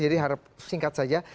jadi harap singkat saja